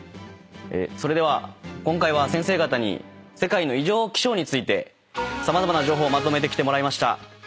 それでは今回は先生方に世界の異常気象について様々な情報をまとめてきてもらいました。